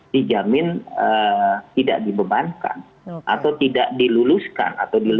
dijamin tidak dibebankan atau tidak diluluskan